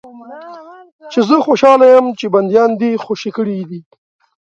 چې زه خوشاله یم چې بندیان دې خوشي کړي دي.